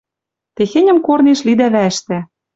Техеньӹм корнеш лидӓ вӓш тӓ